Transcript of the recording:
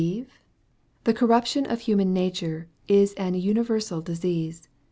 141 The corruption of human nature is an universal dis ease.